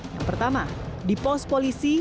yang pertama di pos polisi